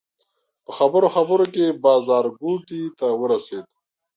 په خبرو خبرو کې بازارګوټي ته ورسېدو.